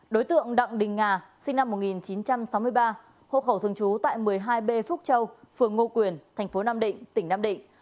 đối tượng đặng đình nga sinh năm một nghìn chín trăm sáu mươi ba hộ khẩu thường trú tại một mươi hai b phúc châu phường ngô quyền thành phố nam định tỉnh nam định